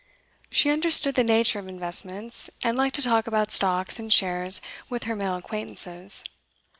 She understood the nature of investments, and liked to talk about stocks and shares with her male acquaintances.